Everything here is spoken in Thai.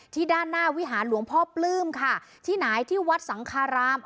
ด้านหน้าวิหารหลวงพ่อปลื้มค่ะที่ไหนที่วัดสังคาราม